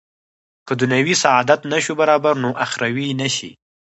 که دنیوي سعادت نه شو برابر نو اخروي نه شي.